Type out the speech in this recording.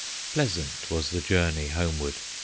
Pleasant was the journey homeward!